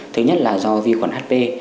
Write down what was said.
thứ nhất là do vi khuẩn hp